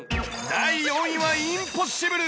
第４位はインポッシブル！